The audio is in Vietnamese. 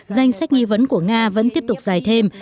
danh sách nghi vấn của nga vẫn tiếp tục dài thêm